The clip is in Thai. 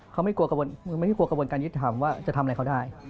เขาไม่กลัวกระบวนการยุติธรรมว่าจะทำอะไรเขาได้